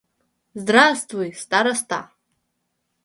Здравствуй, староста!